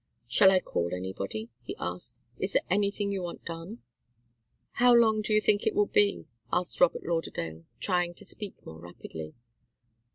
"Shall I call anybody?" he asked. "Is there anything you want done?" "How long do you think it will be?" asked Robert Lauderdale, trying to speak more rapidly.